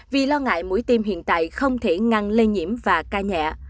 vì lo ngại mũi tiêm hiện tại không thể ngăn lây nhiễm và ca nhẹ